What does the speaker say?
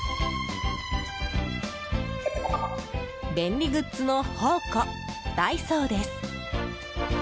便利グッズの宝庫、ダイソーです。